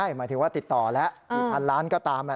หล่ะหมายถึงว่าติดต่อละ๑๐๐๐ล้านก็ตามน่ะ